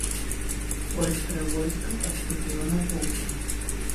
Польскае войска адступіла на поўдзень.